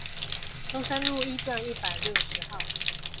中山路一段一百六十號